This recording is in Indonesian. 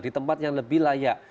di tempat yang lebih layak